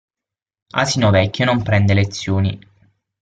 Asino vecchio non prende lezioni.